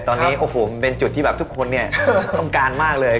ตอนนี้โอ้โหมันเป็นจุดที่แบบทุกคนเนี่ยต้องการมากเลย